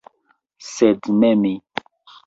Sed ne mi.